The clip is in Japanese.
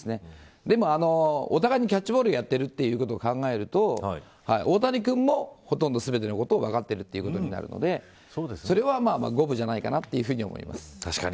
でも、お互いにキャッチボールをやってることを考えると大谷君もほとんど全てのことを分かっていることになるのでそれは五分じゃないかなと思います。